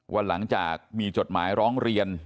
ว่าหลังจากมีจดหมายร้องเรียน